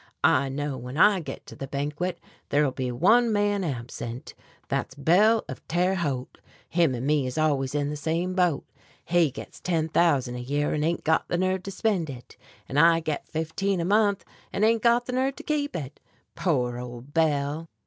I know when I get to the banquet there'll be one other man absent. That's Bell of Terre Haute. Him and me is always in the same boat, he gets ten thousand a year and ain't got the nerve to spend it, and I get fifteen a month, and ain't got the nerve to keep it! Poor old Bell."